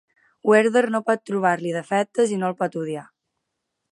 Werther no pot trobar-li defectes i no el pot odiar.